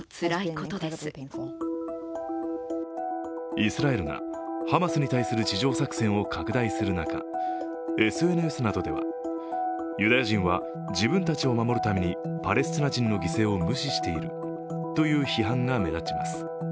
イスラエルが、ハマスに対する地上作戦を拡大する中、ＳＮＳなどではユダヤ人は自分たちを守るためにパレスチナ人の犠牲を無視しているという批判が目立ちます